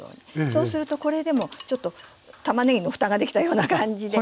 そうするとこれでもちょっとたまねぎの蓋ができたような感じで。